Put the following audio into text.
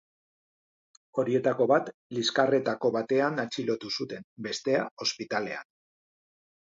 Horietako bat liskarretako batean atxilotu zuten, bestea, ospitalean.